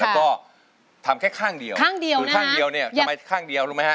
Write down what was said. แล้วก็ทำแค่ข้างเดียวข้างเดียวหรือข้างเดียวเนี่ยทำไมข้างเดียวรู้ไหมฮะ